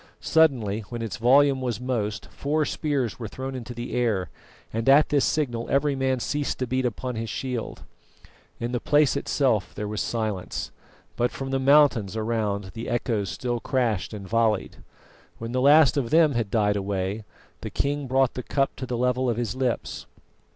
Suddenly, when its volume was most, four spears were thrown into the air, and at this signal every man ceased to beat upon his shield. In the place itself there was silence, but from the mountains around the echoes still crashed and volleyed. When the last of them had died away, the king brought the cup to the level of his lips.